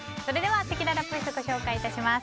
せきららボイスご紹介いたします。